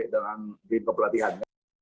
dengan di pelatihan